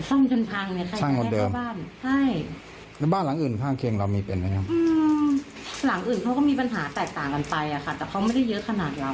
โตส่นชนทางนี้ใครจะให้ได้ค่ะพี่พ